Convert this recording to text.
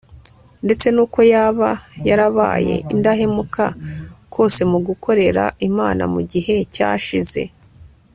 ndetse n'uko yaba yarabaye indahemuka kose mu gukorera imana mu gihe cyashize